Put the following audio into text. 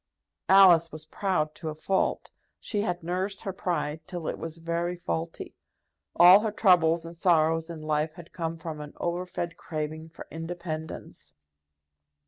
Alice was proud to a fault. She had nursed her pride till it was very faulty. All her troubles and sorrows in life had come from an overfed craving for independence.